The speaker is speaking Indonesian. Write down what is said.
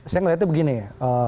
saya melihatnya begini ya